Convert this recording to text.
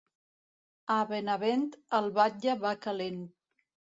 A Benavent, el batlle va calent.